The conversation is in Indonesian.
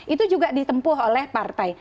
itu juga ditempuh oleh partai